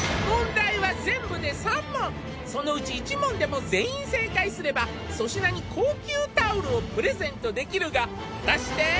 問題は全部で３問そのうち１問でも全員正解すれば粗品に高級タオルをプレゼントできるが果たして？